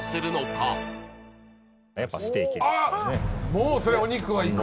もうそりゃお肉はいく。